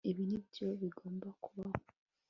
Ibi nibyo bigomba kubaho